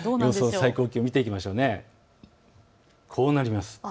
最高気温見ていきましょう。